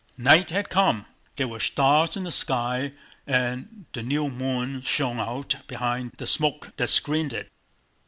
Night had come. There were stars in the sky and the new moon shone out amid the smoke that screened it.